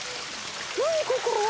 何ここ？